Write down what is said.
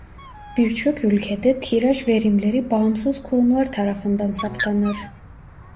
Birçok ülkede tiraj verileri bağımsız kurumlar tarafından saptanır.